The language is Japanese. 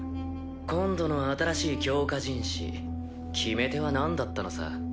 今度の新しい強化人士決め手はなんだったのさ？